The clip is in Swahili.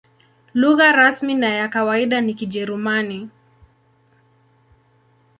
Lugha rasmi na ya kawaida ni Kijerumani.